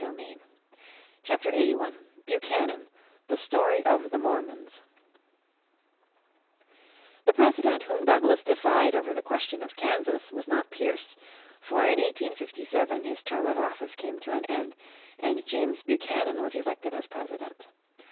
__________ Chapter 81 Buchanan The Story of the Mormons THE President whom Douglas defied over the question of Kansas was not Pierce, for in 1857 his term of office came to an end and James Buchanan was elected as President.